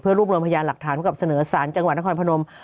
เพื่อรูปรวมพยานหลักฐานเพื่อกับเสนอสารจังหวัดนครพนม